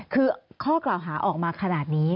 คือข้อกล่าวหาออกมาขนาดนี้